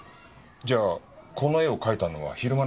じゃあこの絵を描いたのは昼間なんですか？